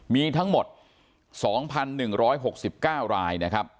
มีทั้งหมด๒๑๖๙รายนะครับ